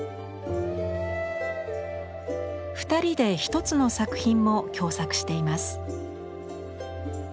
２人で１つの作品も共作しています。